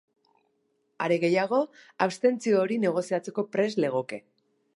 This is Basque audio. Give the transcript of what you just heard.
Are gehiago, abstentzio hori negoziatzeko prest legoke.